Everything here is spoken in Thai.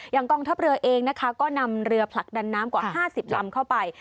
กองทัพเรือเองนะคะก็นำเรือผลักดันน้ำกว่า๕๐ลำเข้าไป